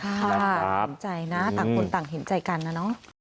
ขอบคุณครับต่างคนต่างเห็นใจกันนะเนอะ